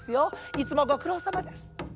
いつもごくろうさまです。